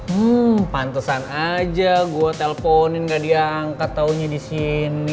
hmm pantesan aja gue telponin gak diangkat taunya disini